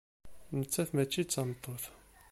Nettat mačči d tameṭṭut.